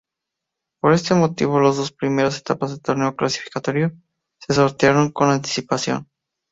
Por este motivo las dos primeras etapas del torneo clasificatorio se sortearon con anticipación.